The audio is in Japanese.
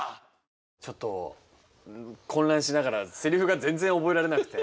ちょっと混乱しながらせりふが全然覚えられなくて。